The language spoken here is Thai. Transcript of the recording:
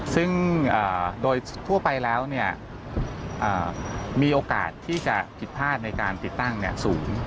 ซึ่งโดยทั่วไปแล้วมีโอกาสที่จะผิดพลาดในการติดตั้งสูง